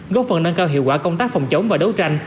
góp phần nâng cao hiệu quả công tác phòng chống và đấu tranh